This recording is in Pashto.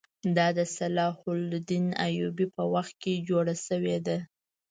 دا د صلاح الدین ایوبي په وخت کې جوړه شوې ده.